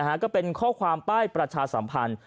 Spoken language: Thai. ก็เป็นข้อความป้ายประชาสัมพันธ์